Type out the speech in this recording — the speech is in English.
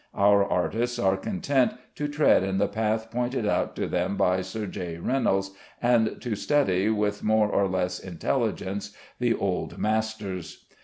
Our artists were content to tread in the path pointed out to them by Sir J. Reynolds, and to study with more or less intelligence the old masters.